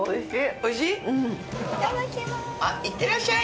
いってらっしゃい！